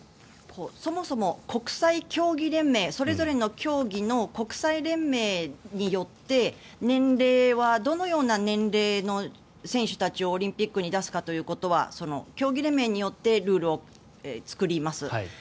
そもそも国際競技連盟それぞれの競技の国際連盟によって、年齢はどのような年齢の選手たちをオリンピックに出すかということは、競技連盟によってルールを作ります。